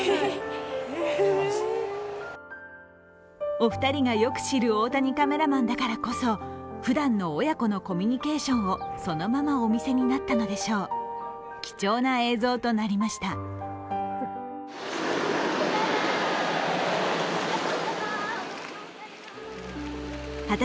お二人がよく知る大谷カメラマンだからこそふだんの親子のコミュニケーションをそのままお見せになったのでしょう、貴重な映像となりました。